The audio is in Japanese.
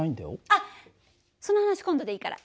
あっその話今度でいいから。